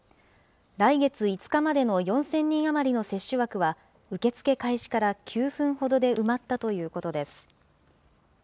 来月５日までの４０００人余りの接種枠は、受け付け開始から９分ほどで埋まったということです。